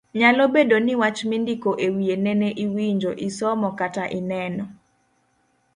Nyalo bedo ni wach mindiko ewiye nene iwinjo, isomo kata ineno.